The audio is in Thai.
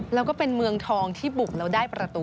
แล้วก็เป็นเมืองทองที่บุกแล้วได้ประตู